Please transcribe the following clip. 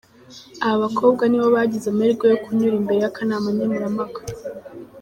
Aba bakobwa nibo bagize amahirwe yo kunyura imbere y'akanama nkemurampaka.